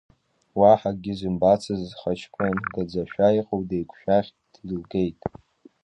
Уаҳа акгьы зымбацыз ҳаҷ-кәын гаӡашәа иҟоу деиқәжьаӷь дылгеит.